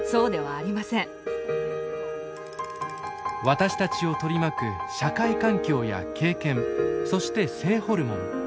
私たちを取り巻く社会環境や経験そして性ホルモン。